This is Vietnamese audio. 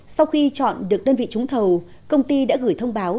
sau khi chọn được đơn vị trúng thầu công ty đã gửi thông báo